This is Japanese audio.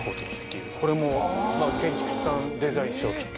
これも建築士さんデザインでしょう。